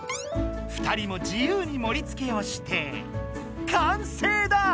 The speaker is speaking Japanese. ２人も自由にもりつけをしてかんせいだ！